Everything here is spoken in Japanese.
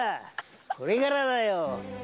これからだよ。